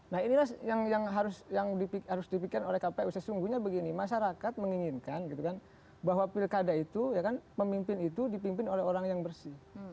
nah inilah yang harus dipikirkan oleh kpu sesungguhnya begini masyarakat menginginkan gitu kan bahwa pilkada itu ya kan pemimpin itu dipimpin oleh orang yang bersih